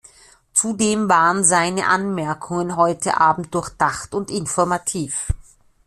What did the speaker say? Zudem waren seinen Anmerkungen heute Abend durchdacht und informativ.